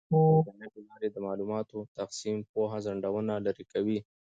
د انټرنیټ له لارې د معلوماتو تقسیم د پوهې خنډونه لرې کوي.